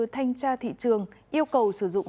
thanh tra thị trường yêu cầu sử dụng